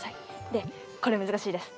でこれ難しいです。